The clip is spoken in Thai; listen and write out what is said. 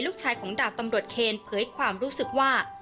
ลูกชายของดาบตำรวจเคนเผยความรู้สึกว่า